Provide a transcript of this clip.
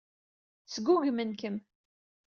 Sgugmen-kem.